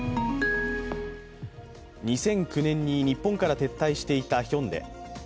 ２００９年に日本から撤退していたヒョンデ。